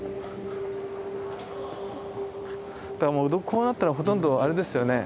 こうなったらほとんどあれですよね。